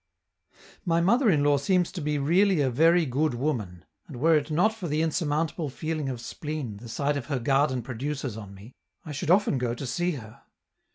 My mother in law seems to be really a very good woman, and were it not for the insurmountable feeling of spleen the sight of her garden produces on me, I should often go to see her.